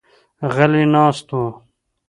غلي ناست وو.